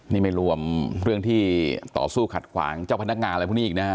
นี่ไม่รวมเรื่องที่ต่อสู้ขัดขวางเจ้าพนักงานอะไรพวกนี้อีกนะฮะ